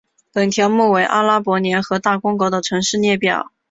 本条目为阿拉伯联合大公国的城市列表。